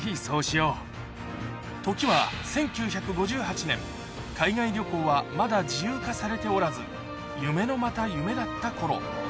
時は１９５８年、海外旅行はまだ自由化されておらず、夢のまた夢だったころ。